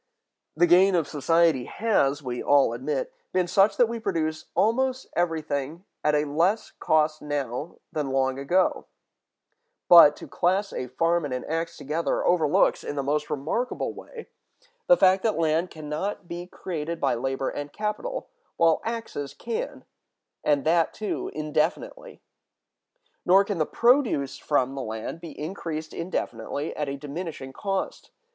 The gain of society has, we all admit, been such that we produce almost everything at a less cost now than long ago; but to class a farm and an axe together overlooks, in the most remarkable way, the fact that land can not be created by labor and capital, while axes can, and that too indefinitely. Nor can the produce from the land be increased indefinitely at a diminishing cost.